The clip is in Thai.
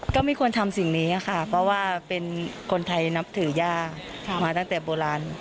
ก็ไม่ควรทำสิ่งนี้ค่ะเพราะว่าเป็นคนไทยนับถือย่ามาตั้งแต่โบราณ